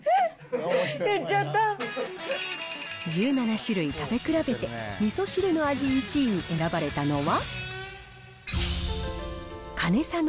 １７種類食べ比べて、みそ汁の味１位に選ばれたのは？